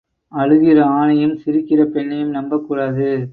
அழுகிற ஆணையும் சிரிக்கிற பெண்ணையும் நம்பக் கூடாது.